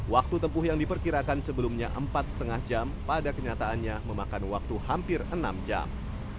waktu tempuh yang diperkirakan sebelumnya empat lima jam pada kenyataannya memakan waktu hampir enam jam